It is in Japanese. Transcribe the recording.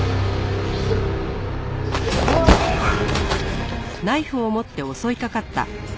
うわっ！